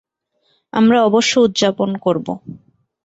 আমরা অবশ্য উদযাপন করব।